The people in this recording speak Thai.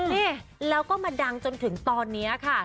นี่แล้วก็มาดังจนถึงตอนนี้ค่ะ